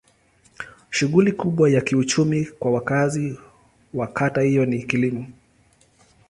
Shughuli kubwa ya kiuchumi kwa wakazi wa kata hiyo ni kilimo.